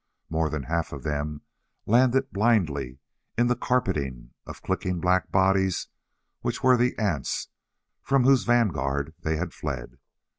More than half of them landed blindly in the carpeting of clicking black bodies which were the ants from whose vanguard they had fled.